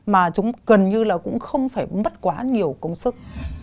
mà chúng gần như là cũng không phải mất quá nhiều công sức